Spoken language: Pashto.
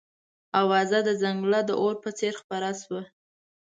اوازه د ځنګله د اور په څېر خپره شوه.